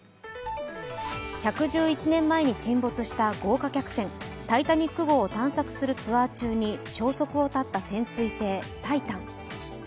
１１１年前に沈没した豪華客船、「タイタニック号」を探索するツアー中に消息を絶った潜水艇「タイタン」。